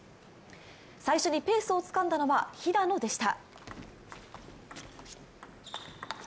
最初にペースをつかんだのは平野でした。